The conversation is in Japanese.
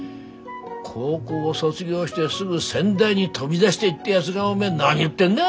高校を卒業してすぐ仙台に飛び出していったやづがおめえ何言ってんだよ。